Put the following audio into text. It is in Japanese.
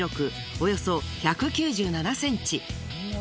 およそ１９７ｃｍ。